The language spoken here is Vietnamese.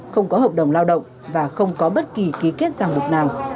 không có hợp đồng lao động và không có bất kỳ ký kết giang mục nào